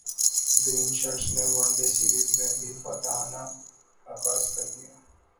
green Shirts نے one day series میں بھی فاتحانہ غاز کر دیا